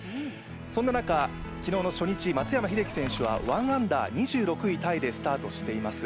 そんな中、昨日の初日、松山英樹選手は１アンダー、２６位タイでスタートしています。